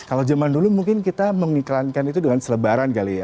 kalau zaman dulu mungkin kita mengiklankan itu dengan selebaran kali ya